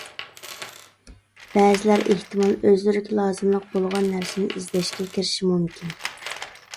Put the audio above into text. بەزىلەر ئېھتىمال ئۆزلىرىگە لازىملىق بولغان نەرسىنى ئىزدەشكە كىرىشى مۇمكىن.